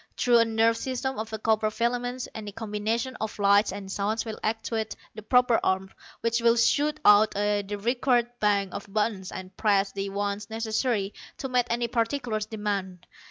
Through a nerve system of copper filaments any combination of lights and sounds will actuate the proper arm which will shoot out to the required bank of buttons and press the ones necessary to meet any particular demand.